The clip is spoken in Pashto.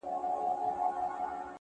هغه نن بيا د واويلا خاوند دی _